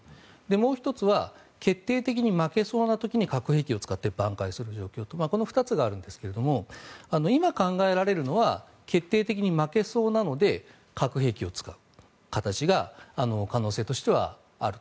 もう１つは決定的に負けそうな時に核兵器を使ってばん回する状況とこの２つがあるんですが今考えられるのは決定的に負けそうなので核兵器を使う形が可能性としてはある。